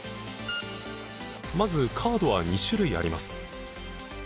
まずカードは２種類あります。